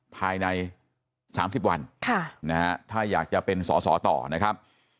ภายใน๓๐วันถ้าอยากจะเป็นสอสอต่อนะครับ